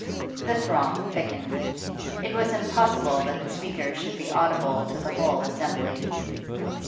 The throng thickened; it was impossible that the speakers should be audible to the whole assembly.